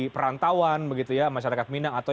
perantauan begitu ya masyarakat minang atau